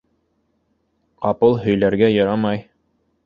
Ҡапыл һөйләргә ярамай.